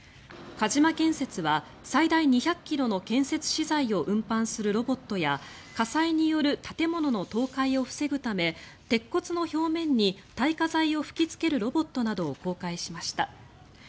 鹿島建設は最大２００ｋｇの建設資材を運搬するロボットや火災による建物の倒壊を防ぐため鉄骨の表面に耐火材を吹きつけるロボットなどを公開しました。